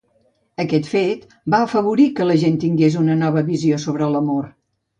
Aquest fet va afavorir que la gent tingués una nova visió sobre l'amor.